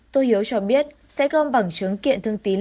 tô hiếu cho biết sẽ gom bằng chứng